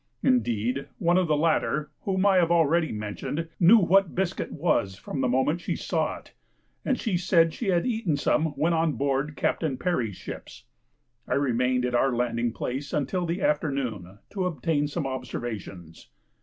Indeed, one of the latter, whom I have already mentioned, knew what biscuit was the moment she saw it, and said she had eaten some when on board Captain Parry's ships. I remained at our landing place until the afternoon to obtain some observations.